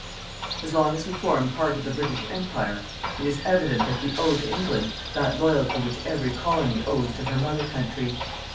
As long as we form part of the British Empire, it is evident that we owe to England that loyalty which every colony owes to her mother country.